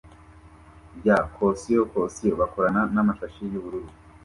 rya caution caution bakorana namashashi yubururu